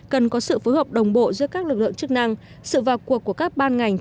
cần có sự phối hợp đồng bộ giữa các lực lượng chức năng